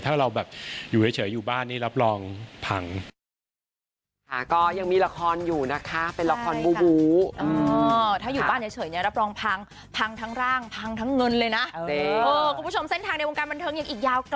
ถ้าเราแบบอยู่เฉยอยู่บ้านนี่รับรองพัง